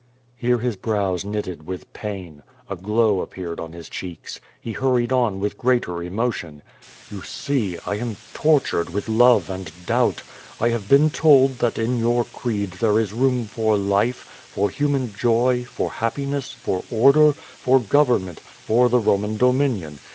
'* Here his brows knitted with ])ain. A glow ap|)eared on his cheeks. He hurried on with greater emotion: "You see, I am tortured with love and doulit. I have been told that in your creed there is room for life, for human joy, for happiness, for order, for government, for the Roman do minion.